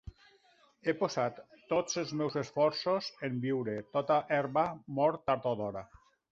He posat tots els meus esforços en viure; tota herba mor tard o d'hora.